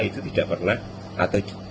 itu tidak berhasil